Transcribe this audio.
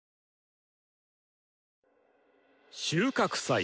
収穫祭。